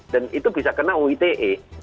dan itu bisa kena uite